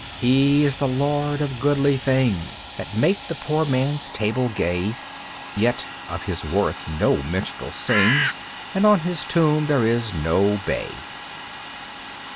He is the lord of goodly things That make the poor man's table gay, Yet of his worth no minstrel sings And on his tomb there is no bay.